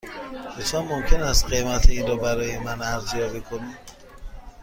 لطفاً ممکن است قیمت این را برای من ارزیابی کنید؟